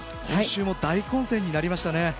今週も大混戦になりましたね。